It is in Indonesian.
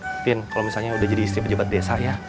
mungkin kalau misalnya udah jadi istri pejabat desa ya